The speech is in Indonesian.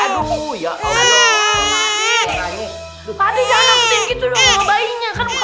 aduh ya allah